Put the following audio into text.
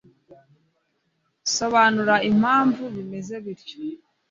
sobanura impamvu bimeze bityo.